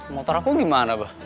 motor aku gimana